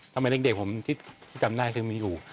ทำไมเด็กผมที่จำได้คือมีอยู่